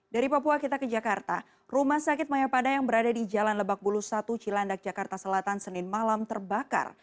dari papua kita ke jakarta rumah sakit mayapada yang berada di jalan lebak bulus satu cilandak jakarta selatan senin malam terbakar